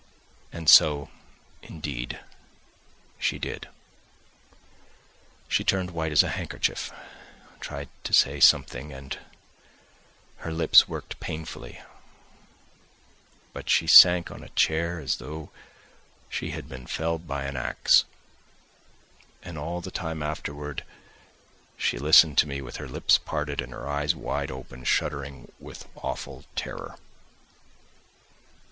And so, indeed, she did. She turned white as a handkerchief, tried to say something, and her lips worked painfully; but she sank on a chair as though she had been felled by an axe. And all the time afterwards she listened to me with her lips parted and her eyes wide open, shuddering with awful terror.